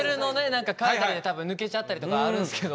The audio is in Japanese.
何か変えたりで多分抜けちゃったりとかあるんすけど。